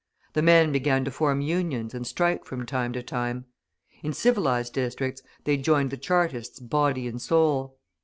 The men began to form Unions and strike from time to time. In civilised districts they joined the Chartists body and soul.